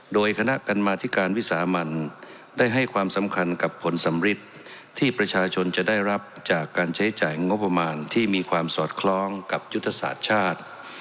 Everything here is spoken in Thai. โดยคณะกรรมาธิการวิสามันได้ให้ความสำคัญกับผลสำริดที่ประชาชนจะได้รับจากการใช้จ่ายงบประมาณที่มีความสอดคล้องกับยุทธศาสตร์ชาติ